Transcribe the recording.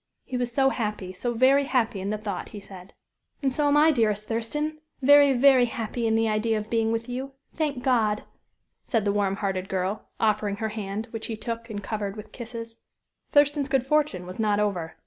He was so happy, so very happy in the thought, he said. "And so am I, dearest Thurston! very, very happy in the idea of being with you. Thank God!" said the warm hearted girl, offering her hand, which he took and covered with kisses. Thurston's good fortune was not over.